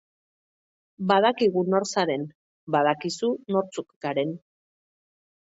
Badakigu nor zaren, badakizu nortzuk garen.